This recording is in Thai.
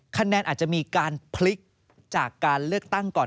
คะแนนอาจจะมีการพลิกจากการเลือกตั้งก่อน